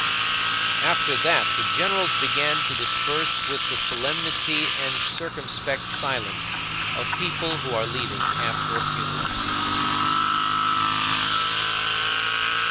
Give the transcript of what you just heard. After that the generals began to disperse with the solemnity and circumspect silence of people who are leaving, after a funeral.